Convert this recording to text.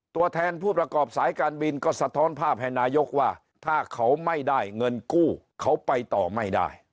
ตัวแทนผู้ประกอบสายการบินก็สะท้อนภาพให้นายกว่าถ้าเขาไม่ได้เงินกู้เขาไปต่อไม่ได้